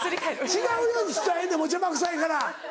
違うように伝えんねんもう邪魔くさいから。